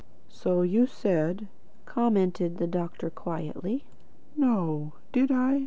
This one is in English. "So you said," commented the doctor quietly. "No! Did I?